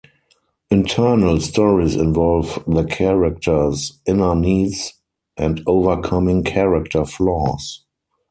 Internal stories involve the character's inner needs and overcoming character flaws.